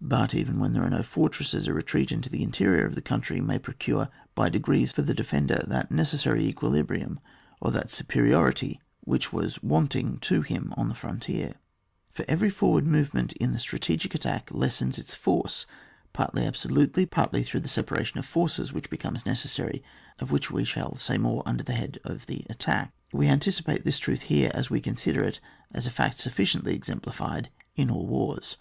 But even when there are no fortresses, a retreat into the interior of the coimtry may procure by degrees for the defender that necessaiy equilibrium or that su periority which was wanting to him on the frontier ; for every forward movement in the strategic attack lessens its force, partly absolutely, partly through the se paration of forces which becomes neces sary, of which we shall say more under the head of the " Attack." We antici pate this truth here as we consider it as a fact sufiiciently exemplified in all wars.